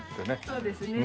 そうですね。